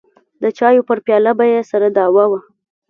د چايو پر پياله به يې سره دعوه وه.